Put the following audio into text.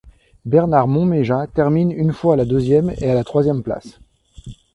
Bernard Momméjat termine une fois à la deuxième et à la troisième place.